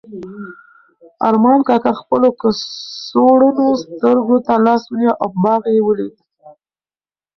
ارمان کاکا خپلو کڅوړنو سترګو ته لاس ونیو او باغ یې ولید.